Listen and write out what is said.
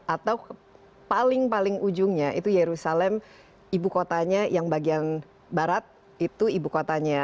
atau paling paling ujungnya itu yerusalem ibu kotanya yang bagian barat itu ibu kotanya